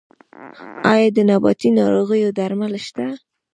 آیا د نباتي ناروغیو درمل شته؟